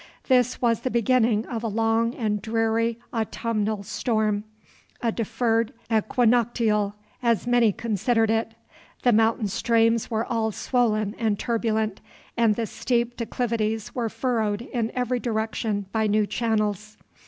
This was the beginning of a long and dreary autumnal storm, a deferred "equinoctial," as many considered it. The mountain streams were all swollen and turbulent, and the steep declivities were furrowed in every direction by new channels.